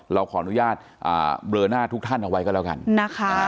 เราขออนุญาตเบลอหน้าทุกท่านเอาไว้ก็แล้วกันนะคะ